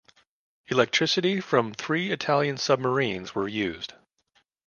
Electricity from three Italian submarines were used.